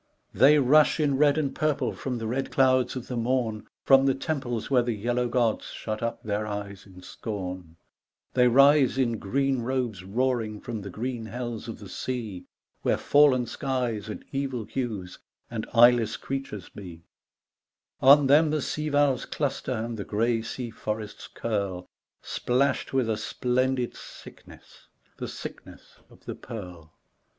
They rush in red and purple from the red clouds of the morn, From temples where the yellow gods shut up their eyes in scorn ; They rise in green robes roaring from the green hells of the sea Where fallen skies and evil hues and eyeless crea tures be ; On them the sea valves cluster and the grey sea forests curl, Splashed with a splendid sickness, the sickness of the pearl ; 40 G.